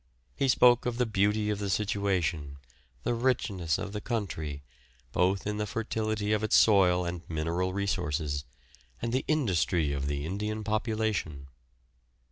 He spoke of the beauty of the situation, the richness of the country, both in the fertility of its soil and mineral resources, and the industry of the Indian population.